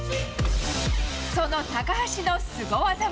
その高橋のスゴ技は。